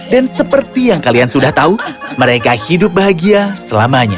dan seperti yang kalian sudah tahu mereka hidup bahagia selamanya